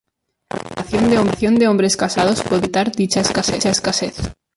La ordenación de hombres casados podría solventar dicha escasez.